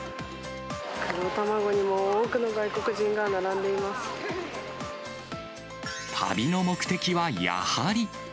黒たまごにも多くの外国人が旅の目的はやはり。